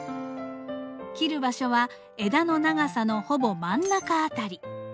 切る場所は枝の長さのほぼ真ん中辺り。